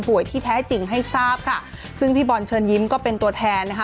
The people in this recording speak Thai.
ที่แท้จริงให้ทราบค่ะซึ่งพี่บอลเชิญยิ้มก็เป็นตัวแทนนะคะ